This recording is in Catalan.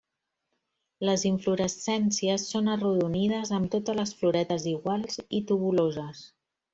Les inflorescències són arrodonides, amb totes les floretes iguals i tubuloses.